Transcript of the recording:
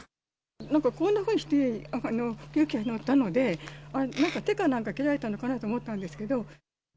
なんかこんなふうにして救急車乗ったので、なんか手かなんか切られたのかなと思ったんですけど。